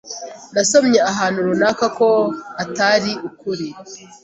Nasomye ahantu runaka ko atari ukuri.